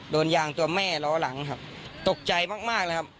โดนยางตัวแม่ล้อหลังครับตกใจมากมากเลยครับ